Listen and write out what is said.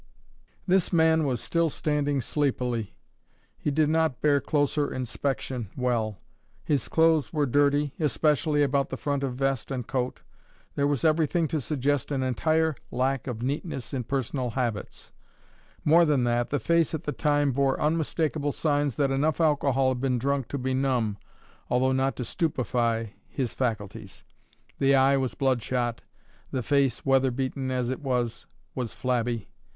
This man was still standing sleepily. He did not bear closer inspection well. His clothes were dirty, especially about the front of vest and coat; there was everything to suggest an entire lack of neatness in personal habits; more than that, the face at the time bore unmistakable signs that enough alcohol had been drunk to benumb, although not to stupefy, his faculties: the eye was bloodshot; the face, weather beaten as it was, was flabby.